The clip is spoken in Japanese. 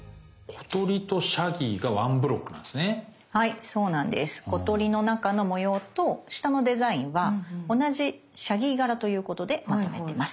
小鳥の中の模様と下のデザインは同じシャギー柄ということでまとめてます。